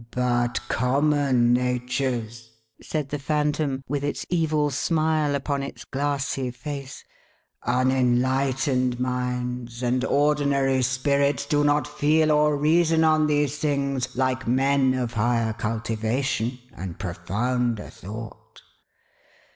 "But common natures," said the Phantom, with its evil smile upon its glassy face, " unenlightened minds and ordinary spirits, do not feel or reason on these things like men of higher cultivation and profounder thought."